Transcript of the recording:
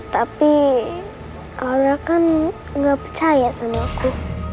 tapi allah kan gak percaya sama aku